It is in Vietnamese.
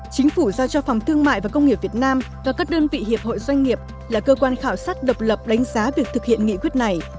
chính phủ giao cho phòng thương mại và công nghiệp việt nam và các đơn vị hiệp hội doanh nghiệp là cơ quan khảo sát độc lập đánh giá việc thực hiện nghị quyết này